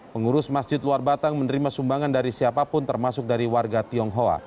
pengurus masjid luar batang menerima sumbangan dari siapapun termasuk dari warga tionghoa